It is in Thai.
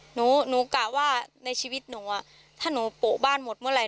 หนูหนูกะว่าในชีวิตหนูอ่ะถ้าหนูโปะบ้านหมดเมื่อไห